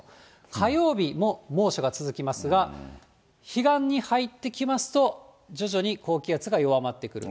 火曜日も猛暑が続きますが、彼岸に入ってきますと、徐々に高気圧が弱まってくる。